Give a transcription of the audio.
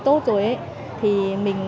tốt rồi ấy thì mình